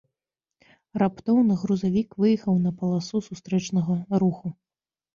Раптоўна грузавік выехаў на паласу сустрэчнага руху.